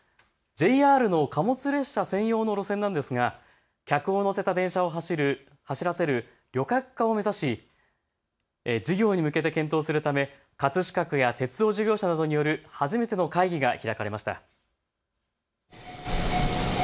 ＪＲの貨物列車専用の路線なんですが客を乗せた電車を走らせる旅客化を目指して事業に向けて検討するため葛飾区や鉄道事業者などによる初めての会議が開かれました。